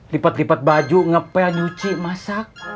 lipet lipet baju ngepel nyuci masak